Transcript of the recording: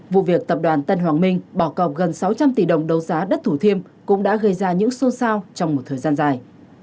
vụ việc tập đoàn tân hoàng minh bỏ cọp gần sáu trăm linh tỷ đồng đấu giá đất thủ thiêm cũng đã gây ra những xô sao trong một thời gian dài